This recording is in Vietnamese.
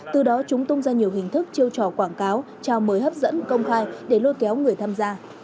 từ đó chúng tung ra nhiều hình thức chiêu trò quảng cáo trao mời hấp dẫn công khai để lôi kéo người tham gia